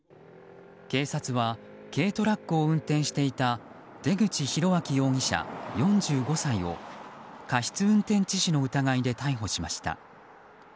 警察は軽トラックを運転していた出口博章容疑者、４５歳を過失運転致死の疑いで逮捕しました。